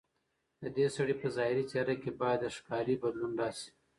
ددې سړي په ظاهري څېره کې باید د ښکاري بدلون راشي.